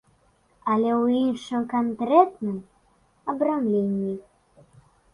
Але ў іншым канкрэтным абрамленні.